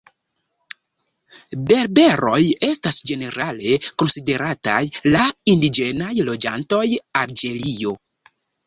Berberoj estas ĝenerale konsiderataj la indiĝenaj loĝantoj Alĝerio.